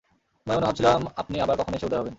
মনে মনে ভাবছিলাম আপনি আবার কখন এসে উদয় হবেন।